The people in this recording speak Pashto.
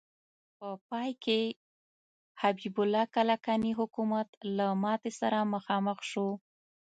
په پای کې حبیب الله کلکاني حکومت له ماتې سره مخامخ شو.